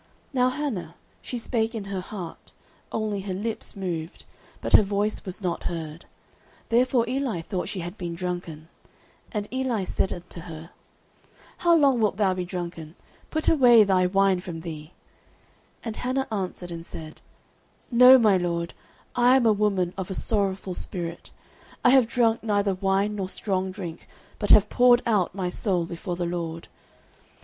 09:001:013 Now Hannah, she spake in her heart; only her lips moved, but her voice was not heard: therefore Eli thought she had been drunken. 09:001:014 And Eli said unto her, How long wilt thou be drunken? put away thy wine from thee. 09:001:015 And Hannah answered and said, No, my lord, I am a woman of a sorrowful spirit: I have drunk neither wine nor strong drink, but have poured out my soul before the LORD.